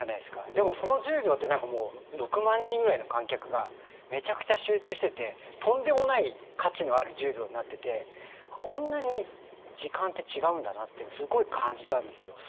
でもその１０秒って何かもう６万人ぐらいの観客がめちゃくちゃ集中しててとんでもない価値のある１０秒になっててこんなにすごい感じたんですよ。